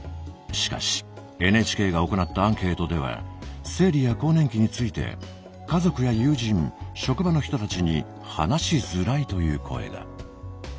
しかしＮＨＫが行ったアンケートでは生理や更年期について家族や友人職場の人たちに話しづらいという声が。